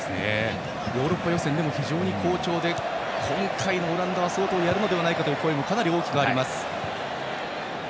ヨーロッパ予選でも非常に好調で今回のオランダは相当やるのではないかという声もかなり大きくあります。